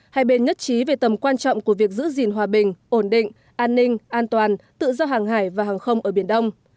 hai bên nhất trí về tầm quan trọng của việc giữ gìn hòa bình ổn định an ninh an toàn tự do hàng hải và hàng không ở biển đông